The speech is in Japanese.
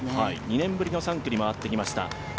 ２年ぶりの３区に回ってきました。